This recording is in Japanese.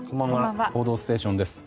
「報道ステーション」です。